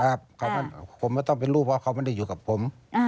ผมไม่ต้องเป็นลูกเพราะเขาไม่ได้อยู่กับผม